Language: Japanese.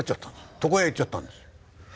床屋へ行っちゃったんですよ。